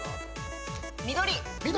緑。